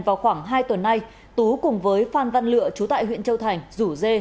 vào khoảng hai tuần nay tú cùng với phan văn lựa chú tại huyện châu thành rủ dê